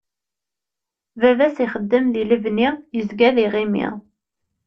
Baba-s ixeddmen di lebni yeẓga d iɣimi.